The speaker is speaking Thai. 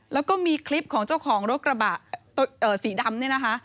แล้วก็มีคลิปของเจ้าของรถกระบะสีดำเนี่ยนะคะ